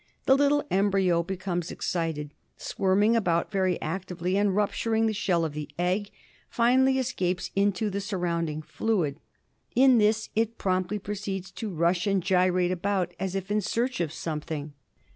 The little embryo becomes excited, squirming about very actively, and, rupturing the shell of the egg, finally escapes into the surrounding fluid. In this it promptly proceeds to rush and gyrate about as if in search of something.